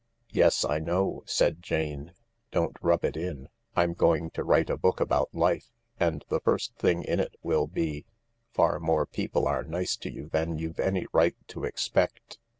"Yes, I know," said Jane. "Don't rub it in. I'm going to write a book about life, and the first thing in it will be, ' Far more people are nice to you than you've any right to expect.'